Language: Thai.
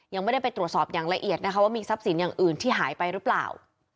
ยังไม่ได้ไปตรวจสอบอย่างละเอียดนะคะว่ามีทรัพย์สินอย่างอื่นที่หายไปหรือเปล่า